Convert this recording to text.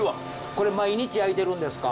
これ毎日焼いてるんですか？